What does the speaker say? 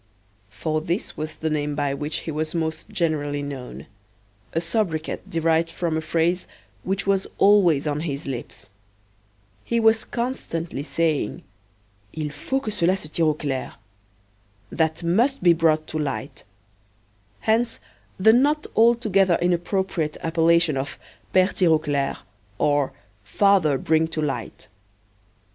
For this was the name by which he was most generally known: a sobriquet derived from a phrase which was always on his lips. He was constantly saying: "Il faut que cela se tire au clair: That must be brought to light." Hence, the not altogether inappropriate appellation of "Pere Tirauclair," or "Father Bring to Light."